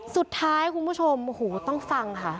สุดท้ายคุณผู้ชมโอ้โหต้องฟังค่ะ